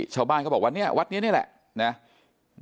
ชาวบ้านก็บอกวัดเนี้ยวัดเนี้ยเนี้ยแหละเนี้ย